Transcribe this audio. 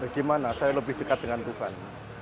gimana saya lebih dekat dengan tuhan